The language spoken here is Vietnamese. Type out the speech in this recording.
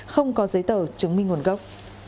không có giấy tờ chứng minh nguồn gốc